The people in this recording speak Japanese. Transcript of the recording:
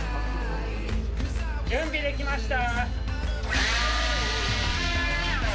準備できました！